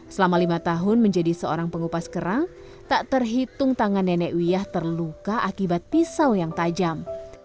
selama lima tahun menjadi seorang pengupas kerang tak terhitung tangan nenek wiyah terluka akibat pisau yang tajam